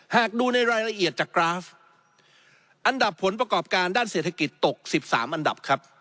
หากดูในรายละเอียดจากกราฟอันดับผลประกอบการด้านเศรษฐกิจตก๑๓อันดับครับ